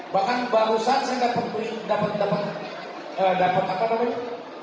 bahkan barusan saya dapat dapat apa namanya